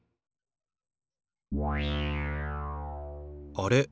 あれ？